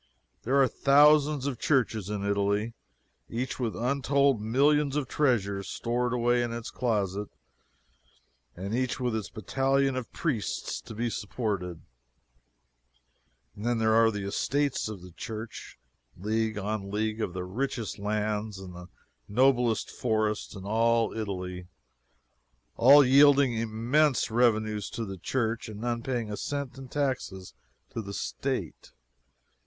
There are thousands of churches in Italy, each with untold millions of treasures stored away in its closets, and each with its battalion of priests to be supported. And then there are the estates of the Church league on league of the richest lands and the noblest forests in all Italy all yielding immense revenues to the Church, and none paying a cent in taxes to the State.